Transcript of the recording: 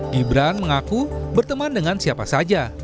gibran mengaku berteman dengan siapa saja